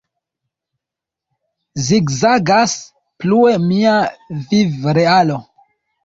Zigzagas plue mia viv-realo...